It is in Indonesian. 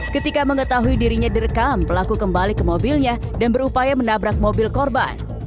ketika mengetahui dirinya direkam pelaku kembali ke mobilnya dan berupaya menabrak mobil korban